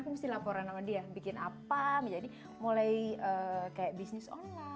fungsi laporan nama dia bikin apa menjadi mulai kayak bisnis online misalnya bunda mau